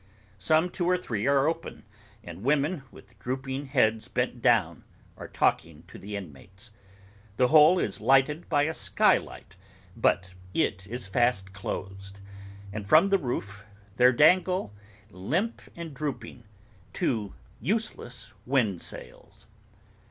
Some two or three are open, and women, with drooping heads bent down, are talking to the inmates. The whole is lighted by a skylight, but it is fast closed; and from the roof there dangle, limp and drooping, two useless windsails.